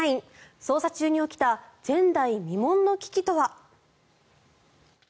捜査中に起きた前代未聞の危機とは？